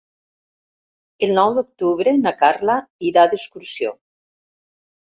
El nou d'octubre na Carla irà d'excursió.